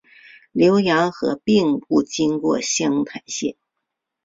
浏阳河并不经过湘潭县。